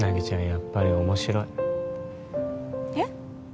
やっぱり面白いえっ？